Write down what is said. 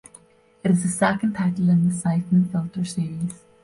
It is the second title in the Syphon Filter series.